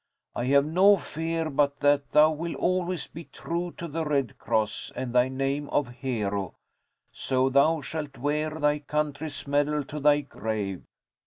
I have no fear but that thou wilt always be true to the Red Cross and thy name of Hero, so thou shalt wear thy country's medal to thy grave."